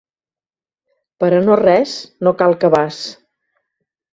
Per a no res no cal cabàs.